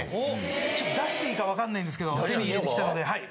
ちょっと出していいかわかんないですけど手に入れてきたのではい